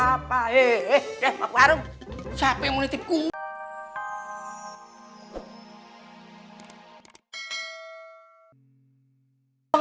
dah ke warung siapa yang mau ngelitik kum